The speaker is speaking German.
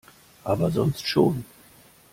Aber sonst schon.